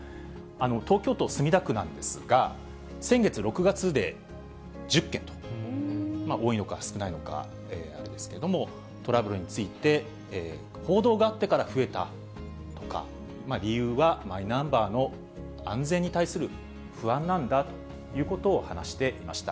東京都墨田区なんですが、先月・６月で１０件と、多いのか少ないのか、あれですけども、トラブルについて、報道があってから増えたとか、理由はマイナンバーの安全に対する不安なんだということを話していました。